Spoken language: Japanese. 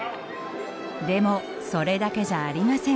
でもそれだけじゃありません。